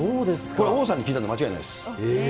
これ、王さんに聞いたんで、間違いないです。